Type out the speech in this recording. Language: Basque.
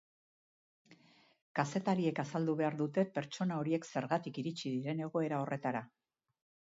Kazetariek azaldu behar dute pertsona horiek zergatik iritsi diren egoera horretara.